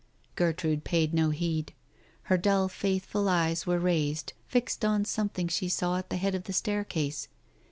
Gertrude paid no heed. Her dull faithful eyes were raised, fixed on something she saw at the head of the staircase.